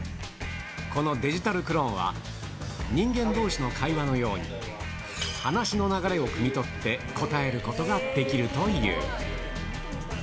このデジタルクローンは、人間どうしの会話のように、話の流れをくみ取って、答えることができるという。